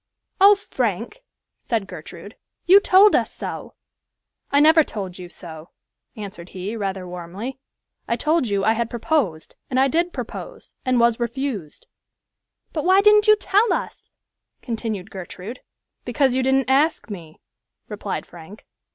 "Oh, Frank," said Gertrude, "you told us so." "I never told you so," answered he, rather warmly. "I told you I had proposed, and I did propose, and was refused." "But why didn't you tell us?" continued Gertrude. "Because you didn't ask me," replied Frank.